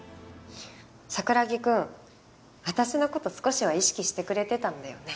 桜木くん私の事少しは意識してくれてたんだよね？